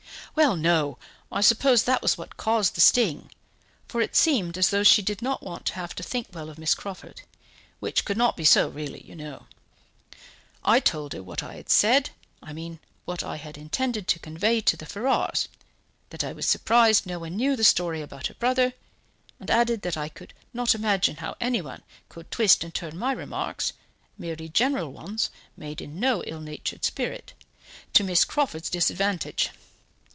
"Well, no; I suppose that was what caused the sting; for it seemed as though she did not want to have to think well of Miss Crawford, which could not be so really, you know. I told her what I had said, I mean, what I had intended to convey to the Ferrars, that I was surprised no one knew the story about her brother, and added that I could not imagine how anyone could twist and turn my remarks merely general ones, made in no ill natured spirit to Miss Crawford's disadvantage.